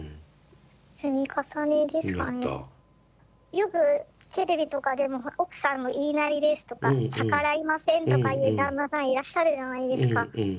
よくテレビとかでも「奥さんの言いなりです」とか「逆らいません」とかいう旦那さんいらっしゃるじゃないですか。